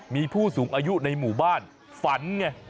มีผู้สูงอายุในหมู่บ้านฝันไง